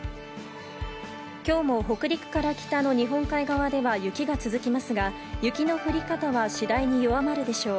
今日も北陸から北の日本海側では雪が続きますが、雪の降り方は次第に弱まるでしょう。